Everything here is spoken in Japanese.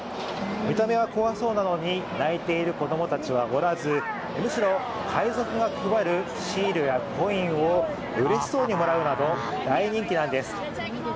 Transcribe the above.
見た目は怖そうなのに泣いている子供たちはおらずむしろ海賊が配るシールやコインをうれしそうにもらうなど大人気なんです。